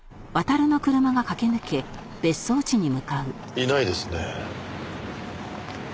いないですね。